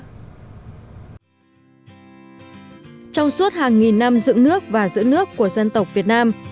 trong suốt hàng nghìn năm dựng nước và giữ nước của dân tộc việt nam